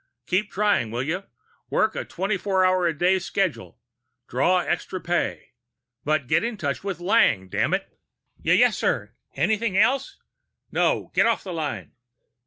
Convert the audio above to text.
"Keep trying, will you? Work a twenty four hour a day schedule. Draw extra pay. But get in touch with Lang, dammit!" "Y yes, sir. Anything else?" "No. Get off the line."